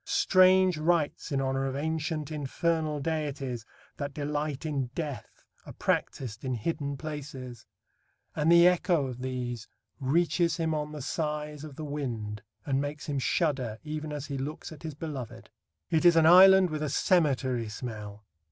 Strange rites in honour of ancient infernal deities that delight in death are practised in hidden places, and the echo of these reaches him on the sighs of the wind and makes him shudder even as he looks at his beloved. It is an island with a cemetery smell.